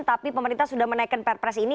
tapi pemerintah sudah menaikkan perpres ini